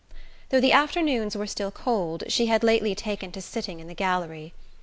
Though the afternoons were still cold she had lately taken to sitting in the gallery.